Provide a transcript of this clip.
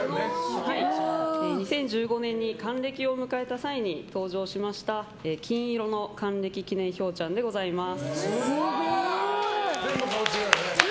２０１５年に還暦を迎えた際に登場しました金色の還暦記念ひょうちゃんでございます。